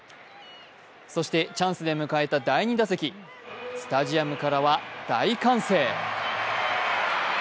そして、チャンスで迎えた第２打席スタジアムからは大歓声。